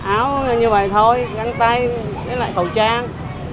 áo như vậy thôi găng tay với lại khẩu trang